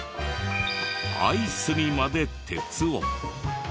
アイスにまで鉄を。